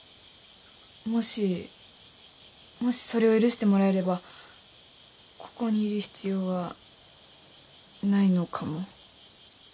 もしもしそれを許してもらえればここにいる必要はないのかも。